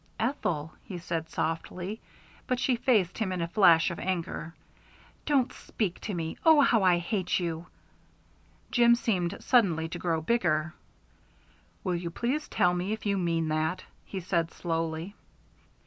"Ethel," he said softly, but she faced him in a flash of anger. "Don't speak to me. Oh how I hate you!" Jim seemed suddenly to grow bigger. "Will you please tell me if you mean that?" he said slowly.